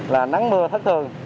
là nắng mưa thất thương